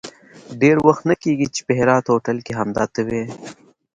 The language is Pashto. ډېر وخت نه کېږي چې په هرات هوټل کې همدا ته وې.